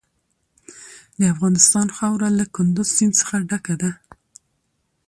د افغانستان خاوره له کندز سیند څخه ډکه ده.